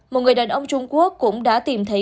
một người đàn ông trung quốc cũng đã tìm thấy